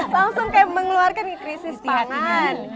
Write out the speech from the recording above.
langsung kayak mengeluarkan krisis pangan